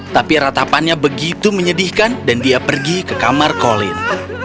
tapi ratapannya begitu menyedihkan dan dia pergi ke kamar kolin